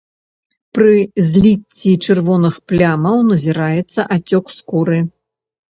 Пры зліцці чырвоных плямаў назіраецца ацёк скуры.